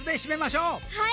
はい。